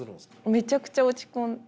めちゃくちゃ落ち込んで。